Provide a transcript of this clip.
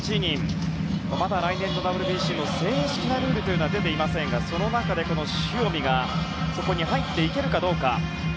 まだ来年のＷＢＣの正式なルールは出ていませんがその中で塩見がそこに入っていけるかどうか。